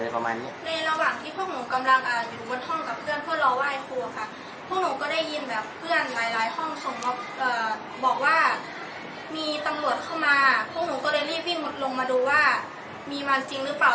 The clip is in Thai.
มีตำรวจเข้ามาพวกหนูก็เลยรีบวิ่งลงมาดูว่ามีมันจริงหรือเปล่า